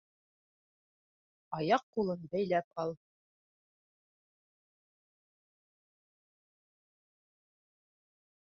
Аяҡ-ҡулын бәйләп ал.